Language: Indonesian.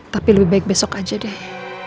tapi lebih baik besok aja deh